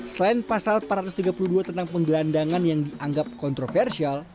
selain pasal empat ratus tiga puluh dua tentang penggelandangan yang dianggap kontroversial